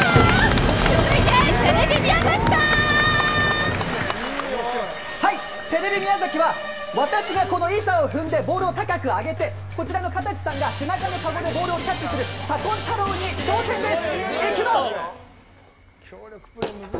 続いてテレビ宮崎さんテレビ宮崎は私がこの板を踏んでボールを高く上げてこちらの片地さんが背中でボールをキャッチする挑戦です。